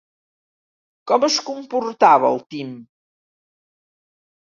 Com es comportava el Tim?